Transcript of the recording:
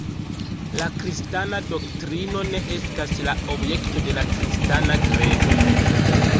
La kristana doktrino ne estas la objekto de la kristana kredo.